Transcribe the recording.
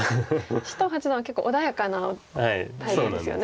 首藤八段は結構穏やかなタイプですよね。